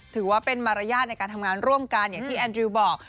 ถือว่าเป็นมารยาทในการทำงานร่วมกันอย่างที่แอนดริวบอก